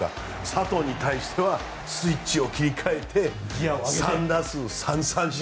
佐藤に対してはスイッチを切り替えて３打数３三振。